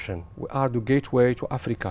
chúng ta là đường hướng đến africa